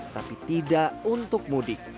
tapi tidak untuk mudik